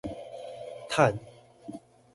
嘆⋯⋯